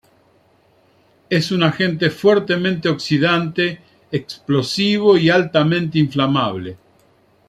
Es un agente fuertemente oxidante, explosivo y altamente inflamable.